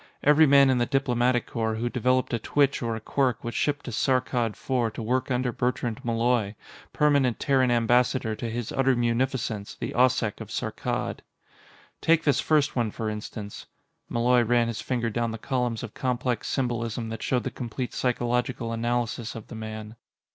Every man in the Diplomatic Corps who developed a twitch or a quirk was shipped to Saarkkad IV to work under Bertrand Malloy, Permanent Terran Ambassador to His Utter Munificence, the Occeq of Saarkkad. Take this first one, for instance. Malloy ran his finger down the columns of complex symbolism that showed the complete psychological analysis of the man.